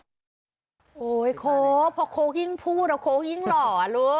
โอ้โหโค้กพอโค้กยิ่งพูดโค้กยิ่งหล่ออ่ะลูก